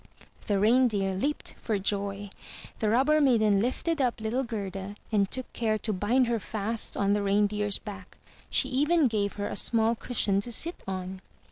*' The Reindeer leaped for joy. The Robber maiden lifted up little Gerda, and took care to bind her fast on the Reindeer's back ; she even gave her a small cushion to sit on.